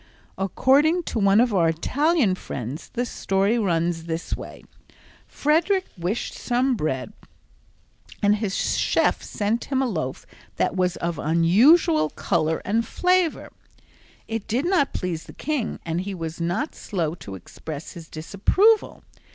According to one of our Italian friends the story runs this way: Frederick wished some bread and his chef sent him in a loaf that was of unusual color and flavor. It did not please the king and he was not slow to express his disapproval.